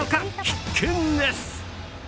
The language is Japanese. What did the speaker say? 必見です。